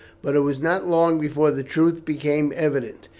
But it was not long before the truth became evident.